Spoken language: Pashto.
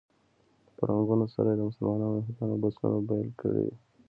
په رنګونو سره یې د مسلمانانو او یهودانو بسونه بېل کړي دي.